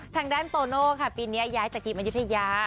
ทางด้านโตโน่ค่ะปีนี้ย้ายจากทีมอายุทยา